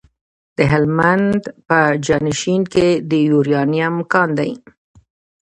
د هلمند په خانشین کې د یورانیم کان دی.